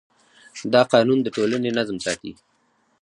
دا قانون د ټولنې نظم ساتي.